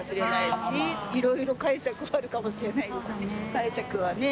解釈はね。